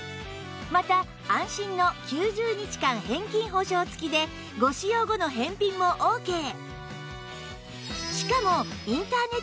また安心の９０日間返金保証付きでご使用後の返品もオーケー